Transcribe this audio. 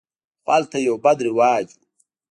خو هلته یو بد رواج و.